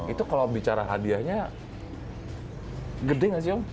itu kalau bicara hadiahnya gede nggak sih om